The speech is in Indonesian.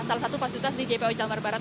salah satu fasilitas di jpo jangkar barat